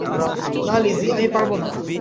না, লিজি, আমি পারবো না।